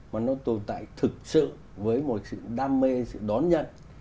mà nó tồn tại thực sự với một sự đam mê sự đón nhận